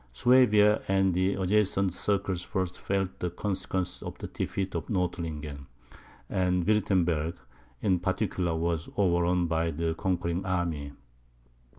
Swabia and the adjacent circles first felt the consequences of the defeat of Nordlingen; and Wirtemberg, in particular, was overrun by the conquering army.